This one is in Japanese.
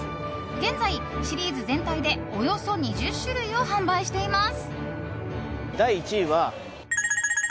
現在、シリーズ全体でおよそ２０種類を販売しています。